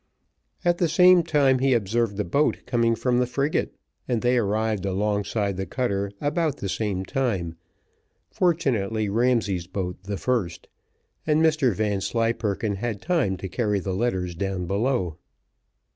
At the same time he observed a boat coming from the frigate, and they arrived alongside the cutter about the same time, fortunately Ramsay's boat the first, and Mr Vanslyperken had time to carry the letters down below.